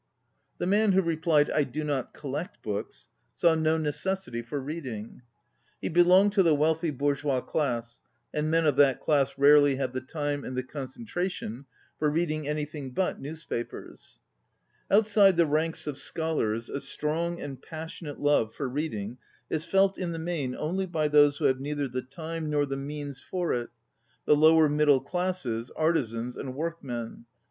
The man who replied " I do not collect books," saw no necessity for reading. He belonged to the wealthy bourgeois class, and men of that class rarely have the time and the con centration for reading anything but newspapers. Outside the ranks of scholars, a strong and passionate love for reading is felt, in the main, only by those who have neither the time 10 ON READING nor the means for it, ŌĆö the lower middle classes, artisans, and work men.